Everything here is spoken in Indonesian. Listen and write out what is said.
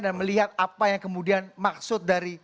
dan melihat apa yang kemudian maksud dari